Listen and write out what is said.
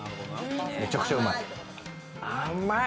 めちゃくちゃうまい。